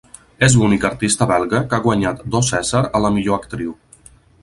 És l'única artista belga que ha guanyat dos Cèsar a la millor actriu.